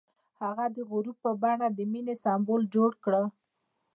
هغه د غروب په بڼه د مینې سمبول جوړ کړ.